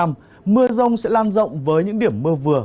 mưa rông sẽ lan rộng với những điểm mưa vừa